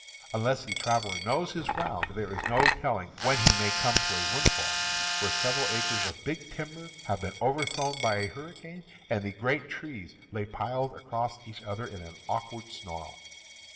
Unless the traveler knows his ground there is no telling when he may come to a *' windfall" where several acres of big timber have been overthrown by a hurricane and the great trees lie piled across each other in an awk ward snarl.